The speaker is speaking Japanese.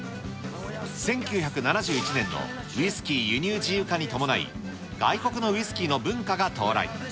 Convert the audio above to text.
１９７１年のウイスキー輸入自由化に伴い、外国のウイスキーの文化が到来。